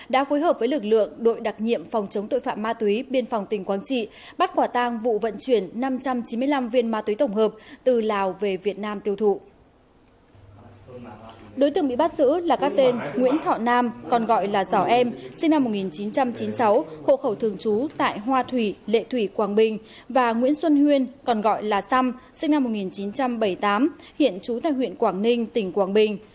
đối tượng bị bắt giữ là các tên nguyễn thọ nam còn gọi là giỏ em sinh năm một nghìn chín trăm chín mươi sáu hộ khẩu thường trú tại hoa thủy lệ thủy quảng bình và nguyễn xuân huyên còn gọi là sam sinh năm một nghìn chín trăm bảy mươi tám hiện trú tại huyện quảng ninh tỉnh quảng bình